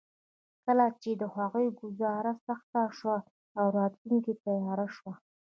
کله چې د هغوی ګوزاره سخته شوه او راتلونکې تياره شوه.